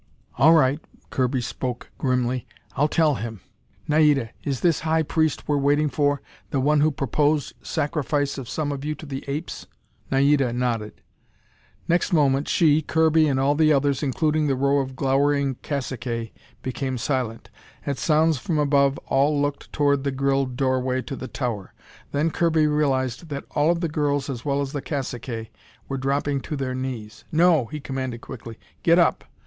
"All right," Kirby spoke grimly. "I'll tell him. Naida, is this high priest we're waiting for, the one who proposed sacrifice of some of you to the apes?" Naida nodded. Next moment, she, Kirby, and all the others, including the row of glowering caciques, became silent. At sounds from above, all looked toward the grilled doorway to the tower. Then Kirby realized that all of the girls, as well as the caciques, were dropping to their knees. "No!" he commanded quickly. "Get up!